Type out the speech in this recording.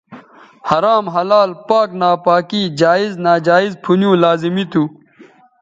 حرام حلال پاک ناپاکی جائز ناجائزپُھنیوں لازمی تھو